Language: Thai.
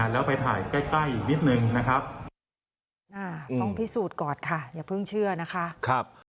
แล้วไปถ่ายใกล้อีกนิดนึงนะครับ